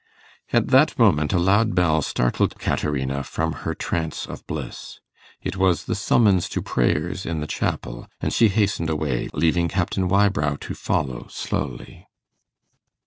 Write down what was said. At that moment a loud bell startled Caterina from her trance of bliss. It was the summons to prayers in the chapel, and she hastened away, leaving Captain Wybrow to follow slowly.